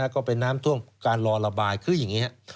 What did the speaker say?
ก็เป็นน้ำท่วมการรอระบายคืออย่างนี้ครับ